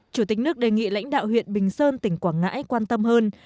chủ tịch nước đề nghị lãnh đạo huyện bình sơn tỉnh quảng ngãi quan tâm hơn